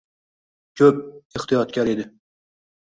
Ko’p — ehtiyotkor edi.